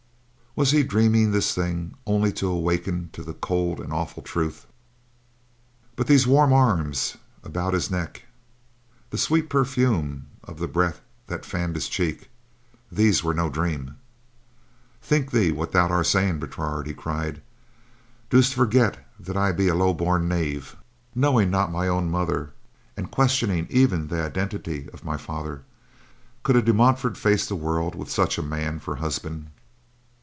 Was he dreaming this thing, only to awaken to the cold and awful truth? But these warm arms about his neck, the sweet perfume of the breath that fanned his cheek; these were no dream! "Think thee what thou art saying, Bertrade!" he cried. "Dost forget that I be a low born knave, knowing not my own mother and questioning even the identity of my father? Could a De Montfort face the world with such a man for husband?"